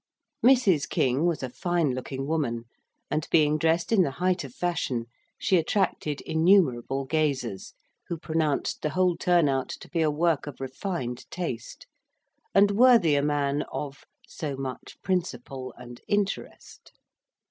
Mrs. King was a fine looking woman, and being dressed in the height of fashion, she attracted innumerable gazers, who pronounced the whole turn out to be a work of refined taste, and worthy a man of "so much principal and interest."